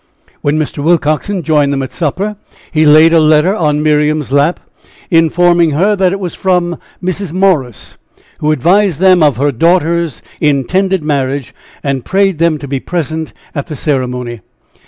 When Mr. Willcoxen joined them at supper, he laid a letter on Miriam's lap, informing her that it was from Mrs. Morris, who advised them of her daughter's intended marriage, and prayed them to be present at the ceremony.